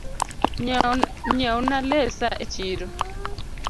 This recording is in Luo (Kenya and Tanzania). Nyieo na lesa e chiro